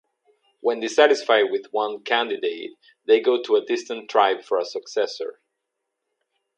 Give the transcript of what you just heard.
When dissatisfied with one candidate, they go to a distant tribe for a successor.